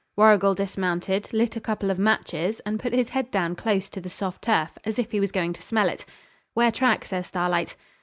Warrigal dismounted, lit a couple of matches, and put his head down close to the soft turf, as if he was going to smell it. 'Where track?' says Starlight.